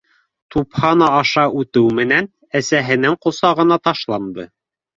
Тупһаны аша үтеү менән, әсәһенең ҡосағына ташланды